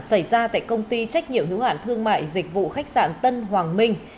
xảy ra tại công ty trách nhiệm hữu hạn thương mại dịch vụ khách sạn tân hoàng minh